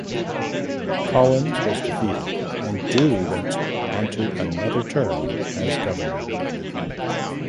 Collins was defeated and Dewey went onto another term as Governor.